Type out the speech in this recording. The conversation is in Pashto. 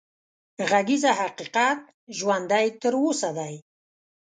غږېږه حقيقت ژوندی تر اوسه دی